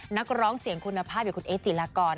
นักร้องเสียงคุณภาพอย่างคุณเอ๊จิลากร